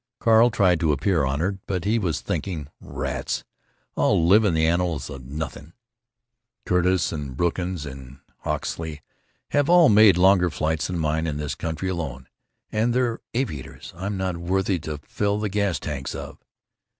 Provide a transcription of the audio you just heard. Carl tried to appear honored, but he was thinking: "Rats! I'll live in the annals of nothin'! Curtiss and Brookins and Hoxsey have all made longer flights than mine, in this country alone, and they're aviators I'm not worthy to fill the gas tanks of....